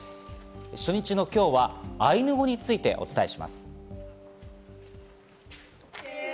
初日の今日はアイヌ語についてお伝えします。